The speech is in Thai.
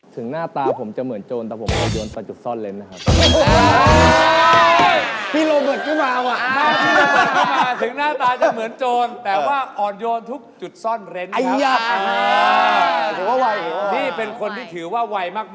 หน้าตาผมจะเหมือนโจรแต่ผมเอาโยนไปจุดซ่อนเล้นนะครับ